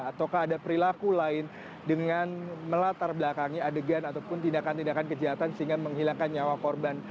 ataukah ada perilaku lain dengan melatar belakangi adegan ataupun tindakan tindakan kejahatan sehingga menghilangkan nyawa korban